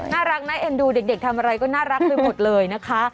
น่ารักน่าเอ็นดูเด็กทำอะไรก็น่ารักไปหมดเลยนะคะ